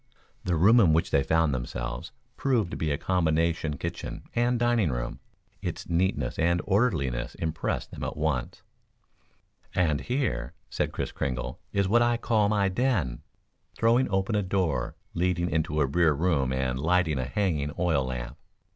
The room in which they found themselves, proved to be a combination kitchen and dining room. Its neatness and orderliness impressed them at once. "And here," said Kris Kringle, "is what I call my den," throwing open a door leading into a rear room and lighting a hanging oil lamp.